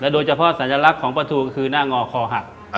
โดยเฉพาะสัญลักษณ์ของประทูคือหน้างอคอหัก